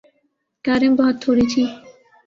کاریں بہت تھوڑی تھیں۔